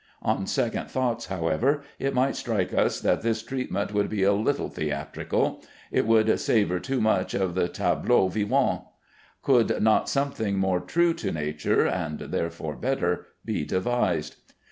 On second thoughts, however, it might strike us that this treatment would be a little theatrical; it would savor too much of the tableau vivant. Could not something more true to nature (and therefore better) be devised?